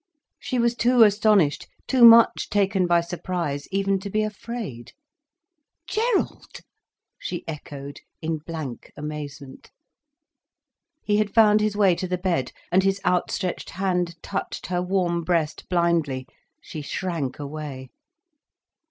She was too astonished, too much taken by surprise, even to be afraid. "Gerald!" she echoed, in blank amazement. He had found his way to the bed, and his outstretched hand touched her warm breast blindly. She shrank away.